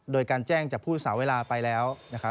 โดยการแจ้งจากผู้ศึกษาเวลาไปแล้ว